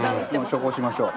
処方しましょう。